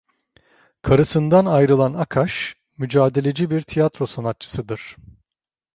Karısından ayrılan Akash mücadeleci bir tiyatro sanatçısıdır.